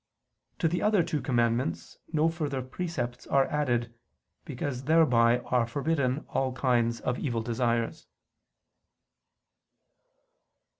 To the other two commandments no further precepts are added, because thereby are forbidden all kinds of evil desires.